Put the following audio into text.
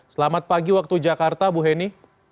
selamat pagi waktu jakarta bu heni